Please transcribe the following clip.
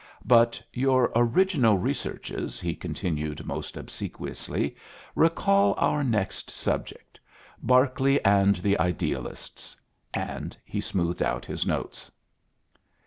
"But your orriginal researches," he continued most obsequiously, "recall our next subject, Berkeley and the Idealists." And he smoothed out his notes.